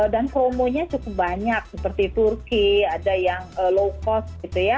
dan promo nya cukup banyak seperti turki ada yang low cost gitu ya